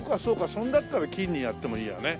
それだったら金にやってもいいやね。